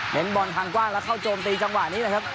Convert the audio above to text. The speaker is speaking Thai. บอลทางกว้างแล้วเข้าโจมตีจังหวะนี้นะครับ